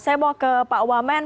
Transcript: saya mau ke pak wamen